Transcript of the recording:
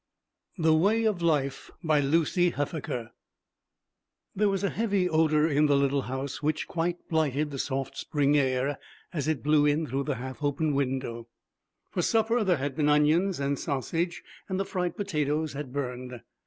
THE WAY OF LIFE BY LUCY HUFFAKER THERE was a heavy odor in the little house which quite blighted the soft spring air as it blew in through the half open window. For supper there had been onions and sausage, and the fried potatoes had burned.